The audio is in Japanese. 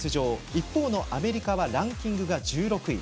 一方のアメリカはランキングが１６位。